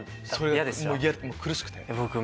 苦しくて。